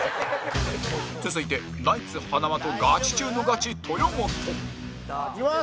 続いて、ナイツ塙とガチ中のガチ、豊本塙：いきます！